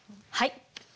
はい。